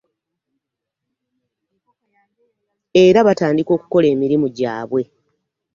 Era batandika okukola emirimu gyabwe.